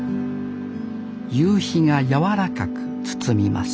夕日が柔らかく包みます